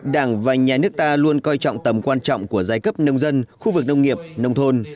đảng và nhà nước ta luôn coi trọng tầm quan trọng của giai cấp nông dân khu vực nông nghiệp nông thôn